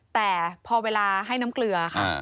แต่พอเวลาให้น้ำเกลือค่ะ